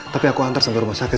tapi aku antar sama rumah sakit